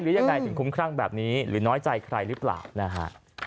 ยังไงถึงคุ้มครั่งแบบนี้หรือน้อยใจใครหรือเปล่านะฮะ